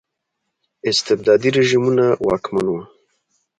استبدادي رژیمونه واکمن وو.